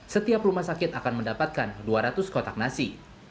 setiap rumah sakit akan mendapatkan dua ratus kotak nasi